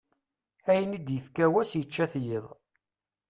Ayen i d-ifka wass yečča-t yiḍ.